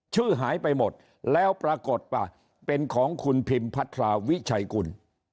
ชื่อหายไปหมดแล้วปรากฏว่าเป็นของคุณพิมพัทราวิชัยกุล